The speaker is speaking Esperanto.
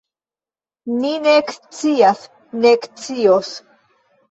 Ni nek scias nek scios.